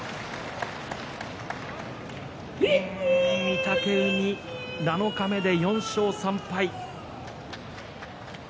御嶽海、七日目で４勝３敗。